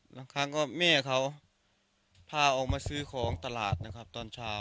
บางครั้งก็แม่เขาพาออกมาซื้อของตลาดนะครับตอนเช้า